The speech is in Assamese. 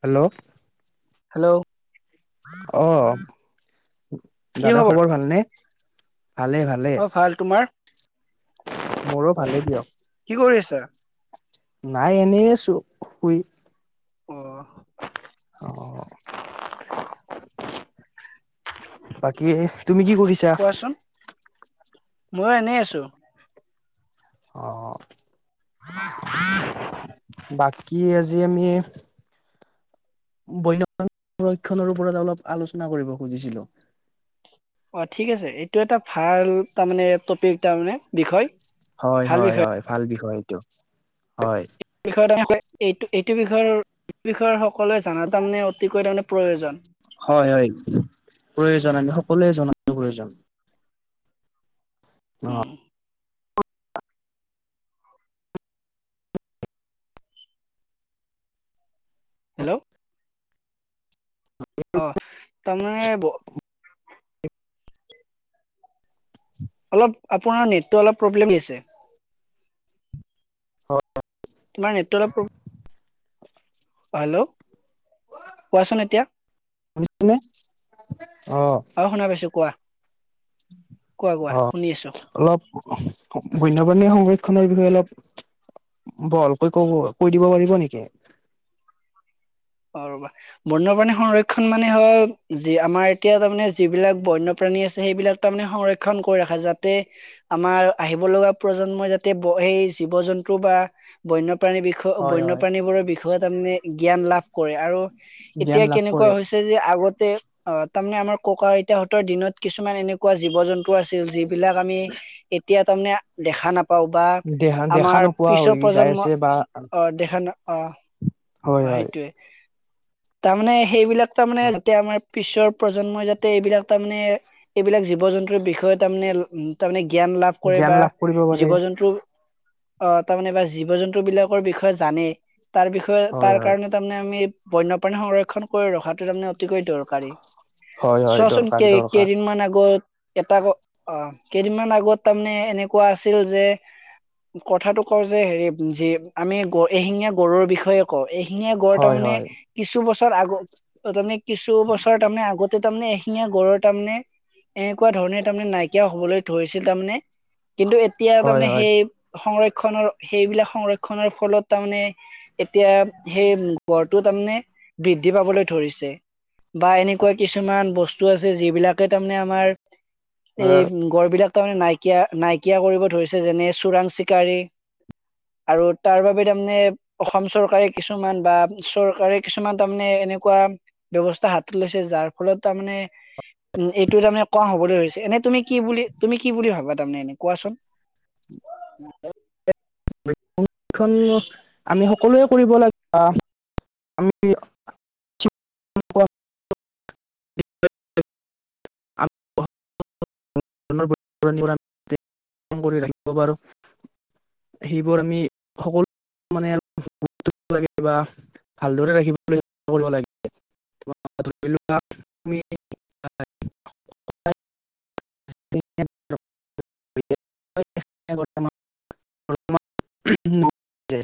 হেল্ল' হেল্ল' অ', দাদা খবৰ ভালনে? ভালে-ভালে। অ ভাল তোমাৰ মোৰো ভালেই দিয়ক। কি কৰি আছা নাই এনেই আছো শুই অ', অ', বাকী তুমি কি কৰিছা, মই এনেই আছো, অ' হ উ [inaudible] বাকী আজি আমি বৈন সংৰক্ষনৰৰ ওপৰত অলপ আলোচনা কৰিব খুজিছিলো। অ' ঠিক আছে এইটো এটা ভাল তাৰমানে টপিক তাৰ মানে বিষয়। হয়, ভাল হয়, হয় ভাল বিষয়। সেইটো, বিষয় তেনেহলে এইটো' এইটো বিষয়ৰ এই বিষয়ৰ সকলোৱে জানা তাৰমানে অতিকৈ তাৰমানে প্ৰয়োজন হয়, হয় প্ৰয়োজন আমি সকলোৱে জনাতো প্ৰয়োজন অ' উম হেল্ল' অ' তাৰমানে বহু অলপ আপোনাৰ নেটটো অলপ প্ৰবেলেম হৈ আছে হয়। তোমাৰ নেটটো অলপ প্ৰব্লেম, হেল্ল' কোৱাচোন এতিয়া, শুনিছানে অ' শুনা পাইছো কোৱা কোৱা কোৱা অ' শুনি আছো অলপ বন্যপ্ৰাণীৰ সংৰক্ষণৰ বিষয়ে অলপ বহলকৈ কব কৈ দিব পাৰিব নেকি? অ' ৰবা বন্যপ্ৰাণী সংৰক্ষণ মানে হল, যি আমাৰ এতিয়া তাৰমানে যিবিলাক বন্যপ্ৰাণী আছে সেইবিলাক তাৰমানে সংৰক্ষণ কৰি ৰাখে, যাতে আমাৰ আহিব লগা প্ৰজন্মই যাতে সেই জীৱ জন্তু বা বন্য প্ৰাণী বিষয়ক হয় হয় বন্যপ্ৰাণীবোৰৰ বিষয়ত তাৰমানে জ্ঞান কৰে আৰু জ্ঞান এতিয়া লাভ কৰে কেনেকুৱা হৈছে যে আগত তে অ' তাৰমানে আমাৰ ককা আইতাহঁতৰ দিনত কিছুমান এনেকুৱা জীৱ জন্তু টো আছিল যিবিলাক আমি এতিয়া তাৰমানে দেখা নাপাই পাও বা দেহা দেখা আমাৰ নোপোৱা পিছৰ হৈ যাই প্ৰজন্ম আছে বা অ দেখা ন অ হয় হয় সেইটোৱে তাৰমানে সেইবিলাক তাৰ মানে যাতে আমাৰ পিছৰ প্ৰজন্মই যাতে এইবিলাক তাৰমানে এইবিলাক জীৱ জীৱ জন্তুৰ বিষয়ে তাৰমানে উম তাৰ মানে জ্ঞান লাভ কৰে জ্ঞান বা লাভ কৰিব পাৰে জীৱ জন্তুৰ অ তাৰমানে বা জীৱ জন্তু বিলাকৰ বিষয়ে জানেই তাৰ বিষয়ে হয় তাৰ হয় কাৰণে তাৰমানে আমি বন্যপ্ৰাণী সংৰক্ষণ কৰি ৰখাটো তাৰমানে অতিকৈ দৰকাৰী হয় হয় চোৱাচোন দৰকাৰ কেই দৰকাৰ কেইদিনমান আগত এটা ক অ কেইদিনমান আগত তাৰমানে এনেকুৱা আছিল যে কথাটো কওঁ যে হেৰি যি আমি এশিঙীয়া গঁড়ৰ বিষয়ে কওঁ এশিঙীয়া গঁড় হয় তাৰমানে হয় কিছু বস্তুৰ তাৰ আগত অ তুমি কিছু বছৰ তাৰমানে আগত তাৰমানে এশিঙীয়া গড়ৰ তাৰ মানে এনেকুৱা ধৰণে তাৰমানে নাইকিয়া হ'বলৈ ধৰিছিল তামানে কিন্তু এতিয়া হয় তাৰমানে হয় সেই সংৰক্ষন সংৰক্ষণৰ সেইবিলাক সংৰক্ষনৰৰ ফলত তাৰমানে এতিয়া সেই গড়টো তাৰমানে বৃদ্ধি পাবলৈ ধৰিছে বা এনেকুৱা কিছুমান বস্তু আছে যিবিলাকে তাৰমানে আমাৰ এই গড় বিলাক তাৰমানে নাই নাইকিয়া নাইকিয়া কৰিব ধৰিছে যেনে চোৰাং চিকাৰী আৰু তাৰ বাবে তাৰমানে অসম চৰকাৰে কিছুমান বা চৰকাৰে কিছুমান তাৰমানে এনেকুৱা ব্যৱস্থা হাতত লৈছে যাৰ ফলত তাৰমানে উম এইটো তাৰমানে কোৱা হবলৈ ধৰিছে এনে তুমি কি বুলি তুমি কি বুলি ভাবা তাৰমানে এনে কোৱাচোন আমি সকলোৱে কৰিব লাগে আমি ৰাখিব পাৰো সেইবোৰ আমি সকলো মানে ল বা ভালদৰে ৰাখিব লাগে [inaudible]